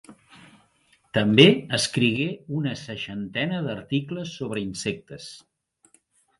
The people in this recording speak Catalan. També escrigué una seixantena d'articles sobre insectes.